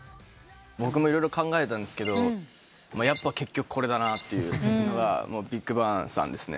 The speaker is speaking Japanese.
僕も色々考えたんですけどやっぱ結局これだなというのがＢＩＧＢＡＮＧさんですね。